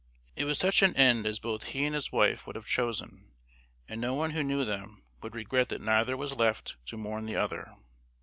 It was such an end as both he and his wife would have chosen; and no one who knew them would regret that neither was left to mourn the other.